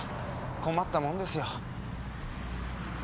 困ったもんですよ。